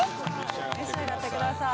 召し上がってください。